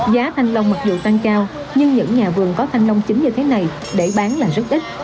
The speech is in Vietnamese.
giá thanh long mặc dù tăng cao nhưng những nhà vườn có thanh long chính như thế này để bán là rất ít